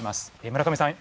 村上さん